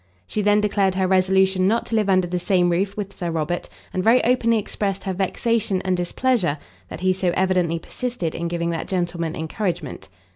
She then declared her resolution not to live under the same roof with Sir Robert, and very openly expressed her vexation and displeasure, that he so evidently persisted in giving that gentleman encouragement.